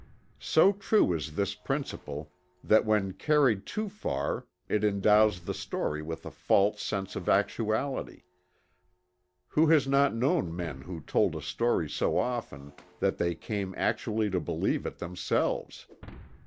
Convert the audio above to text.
So true is this principle, that when carried too far it endows the story with a false sense of actuality who has not known men who told a story so often that they came actually to believe it themselves?